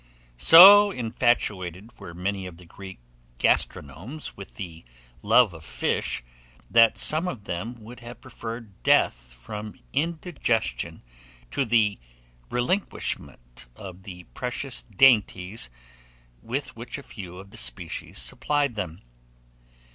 So infatuated were many of the Greek gastronomes with the love of fish, that some of them would have preferred death from indigestion to the relinquishment of the precious dainties with which a few of the species supplied them.